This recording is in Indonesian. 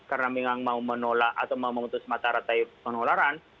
karena memang mau menolak atau mau mengutus masyarakat penularan